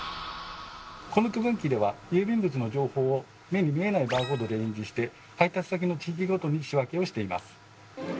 この区分機では郵便物の情報を目に見えないバーコードで印字して配達先の地域ごとに仕分けをしています。